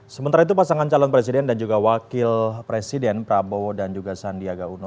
sementara itu pasangan calon presiden dan juga wakil presiden prabowo dan juga sandiaga uno